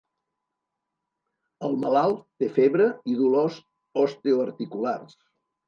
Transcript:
El malalt té febre i dolors osteoarticulars.